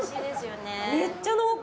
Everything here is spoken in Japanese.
めっちゃ濃厚！